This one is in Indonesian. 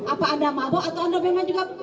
apa anda mabok atau anda memang juga